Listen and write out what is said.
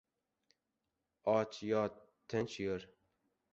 • Och yot — tinch tur.